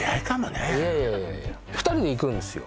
いやいやいやいや２人で行くんすよ